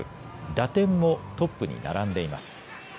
打点もトップに並んでいます。